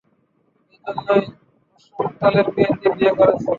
এই জন্যই হর্ষ মিত্তালের মেয়েকে বিয়ে করছো?